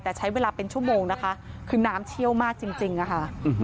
แต่ใช้เวลาเป็นชั่วโมงนะคะคือน้ำเชี่ยวมากจริงอะค่ะ